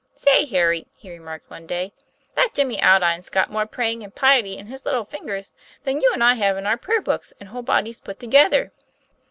"Say, Harry," he remarked one day, "that Jimmy Aldine's got more praying and piety in his little finger than you and I have in our prayer books and whole bodies put together.